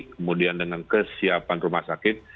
kemudian dengan kesiapan rumah sakit